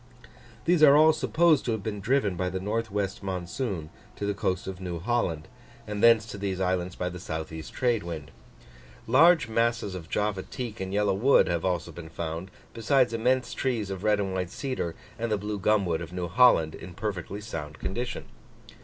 These are all supposed to have been driven by the N. W. monsoon to the coast of New Holland, and thence to these islands by the S. E. trade wind. Large masses of Java teak and Yellow wood have also been found, besides immense trees of red and white cedar, and the blue gumwood of New Holland, in a perfectly sound condition.